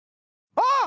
あっ！